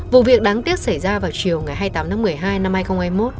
vụ việc đáng tiếc xảy ra vào chiều hai mươi tám một mươi hai hai nghìn hai mươi một